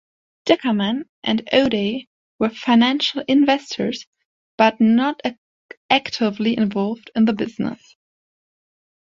Dickerman and O'Day were financial investors, but not actively involved in the business.